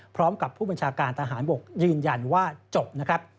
พร้อมกับผู้บัญชาการทหารบกยืนยันว่าจบนะครับ